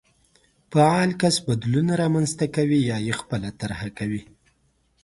فعال کس بدلون رامنځته کوي يا يې خپله طرحه کوي.